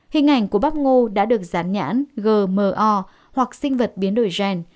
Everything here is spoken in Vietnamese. hình ảnh của bác ngô đã được dán nhãn gmo hoặc sinh vật biến đổi gen